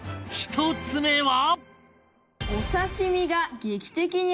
１つ目は